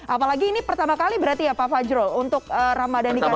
apalagi ini pertama kali berarti ya pak fajrul untuk ramadan di kalangan